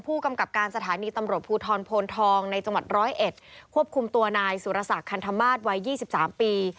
ผู้กำกับการสถานีตำรวจภูทรโพนทองในจังหวัดร้อยเอ็ดควบคุมตัวนายสุรสักคันธมาสวัย๒๓ปี